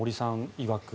いわく